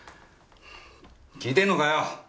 聞いてんのかよ！